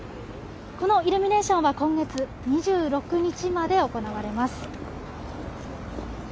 このイルミネーションは、今月２６日まで行われます。